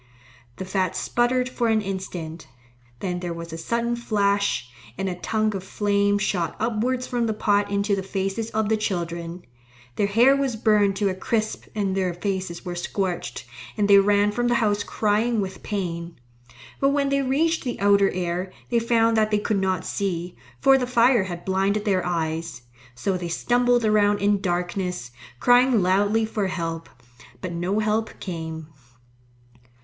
The fat sputtered for an instant; then there was a sudden flash, and a tongue of flame shot upwards from the pot into the faces of the children. Their hair was burned to a crisp and their faces were scorched, and they ran from the house crying with pain. But when they reached the outer air, they found that they could not see, for the fire had blinded their eyes. So they stumbled around in darkness, crying loudly for help. But no help came.